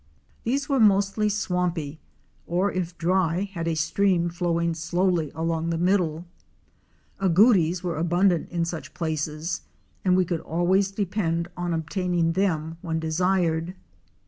These were mostly swampy, or if dry had a stream flowing slowly along the middle. Agoutis were abundant in such places and we could always depend on obtaining them when desired.